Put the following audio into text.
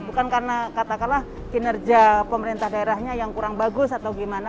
bukan karena katakanlah kinerja pemerintah daerahnya yang kurang bagus atau gimana